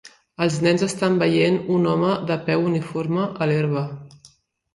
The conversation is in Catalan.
Els nens estan veient un home de peu uniforme a l'herba